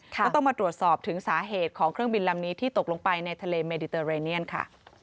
ก็ต้องมาตรวจสอบถึงสาเหตุของเครื่องบินลำนี้ที่ตกลงไปในทะเลเมดิเตอร์เรเนียนค่ะ